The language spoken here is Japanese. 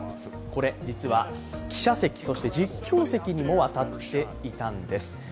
実は記者席、実況席にも渡っていたんです。